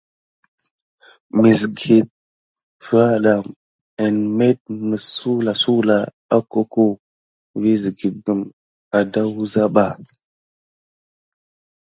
Məsget fraɗa en məs met suwlasuwla akoko vigue kum edawuza ba.